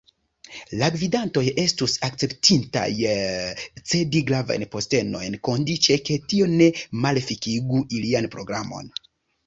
La gvidantoj estus akceptintaj cedi gravajn postenojn, kondiĉe ke tio ne malefikigu ilian programon.